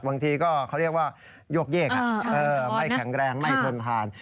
บางทีก็เขาเรียกว่าโยกเยกไม่แข็งแรงไม่ทนทาน